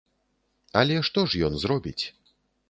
Але што ж ён зробіць?